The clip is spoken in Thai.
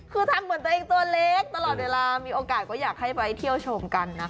คือทำเหมือนตัวเองตัวเล็กตลอดเวลามีโอกาสก็อยากให้ไปเที่ยวชมกันนะคะ